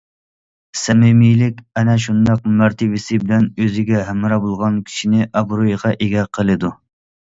سەمىمىيلىك ئەنە شۇنداق مەرتىۋىسى بىلەن ئۆزىگە ھەمراھ بولغان كىشىنى ئابرۇيغا ئىگە قىلىدۇ.